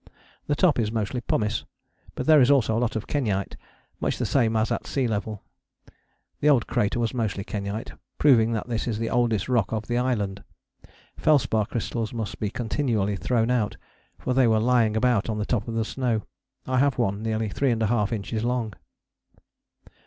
The top is mostly pumice, but there is also a lot of kenyte, much the same as at sea level: the old crater was mostly kenyte, proving that this is the oldest rock of the island: felspar crystals must be continually thrown out, for they were lying about on the top of the snow; I have one nearly 3½ inches long.